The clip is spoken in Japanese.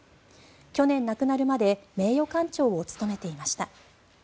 去年、亡くなるまで名誉館長を務めていました。